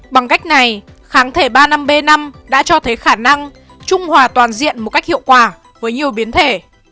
bằng cách này kháng thể ba năm b năm đã cho thấy khả năng trung hòa toàn diện một cách hiệu quả với nhiều biến thể